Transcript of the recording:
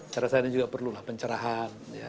cara saya ini juga perlulah pencerahan